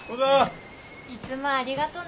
いつもありがとね。